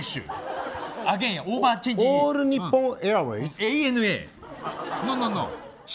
ＡＮＡ！